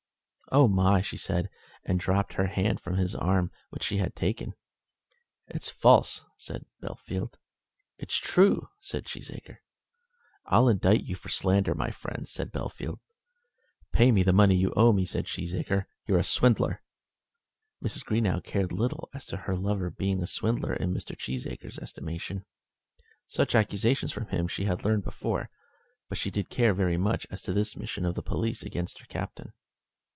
"Oh, my!" she said, and dropped her hand from his arm, which she had taken. "It's false," said Bellfield. "It's true," said Cheesacre. "I'll indict you for slander, my friend," said Bellfield. "Pay me the money you owe me," said Cheesacre. "You're a swindler!" Mrs. Greenow cared little as to her lover being a swindler in Mr. Cheesacre's estimation. Such accusations from him she had heard before. But she did care very much as to this mission of the police against her Captain.